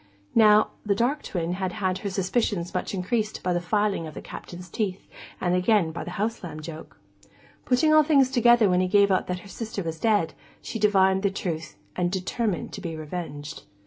Now, the dark twin had had her suspicions much increased by the filing of the Captain's teeth, and again by the house lamb joke. Putting all things together when he gave out that her sister was dead, she divined the truth, and determined to be revenged.